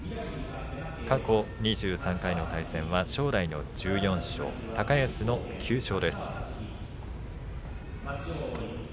過去２３回の対戦は正代の１４勝、高安の９勝です。